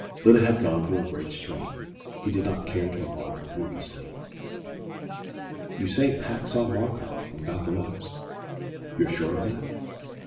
Lyda had gone through a great strain. He did not care to alarm her needlessly. "You say Pat saw Markoff, and got the letters. You're sure of that?"